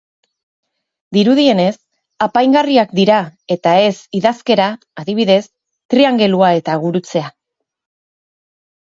Dirudienez, apaingarriak dira eta ez idazkera, adibidez, triangelua eta gurutzea.